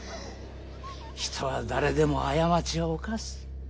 人は誰でも過ちを犯す。